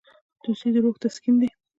دوستي د روح تسکین دی.